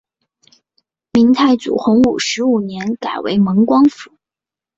明太祖洪武十五年改为蒙光府。